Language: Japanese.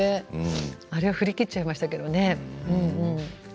あれは振り切っちゃいましたけどね。